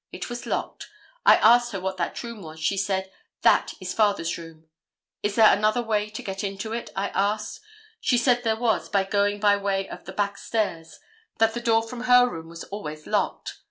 It was locked. I asked her what room that was. She said: 'That is father's room.' 'Is there another way to get into it?' I asked. She said there was, by going by way of the back stairs; that the door from her room was always locked.